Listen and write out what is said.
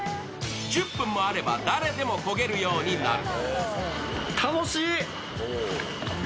１０分もあれば誰でも漕げるようになる。